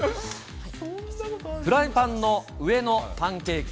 フライパンの上のパンケーキ。